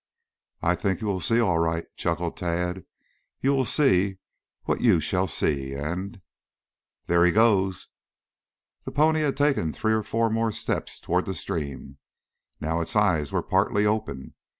"I think you will see, all right," chuckled Tad. "You will see what you shall see, and " "There he goes!" The pony had taken three or four more steps toward the stream. Now its eyes were partly open.